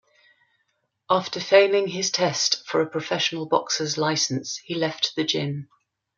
After failing his test for a professional boxers' license, he left the gym.